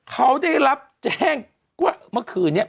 เขาได้รับแจ้งว่าเมื่อคืนนี้